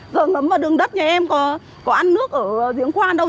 thường ngấm vào đường đất nhà em có ăn nước ở giếng khoan đâu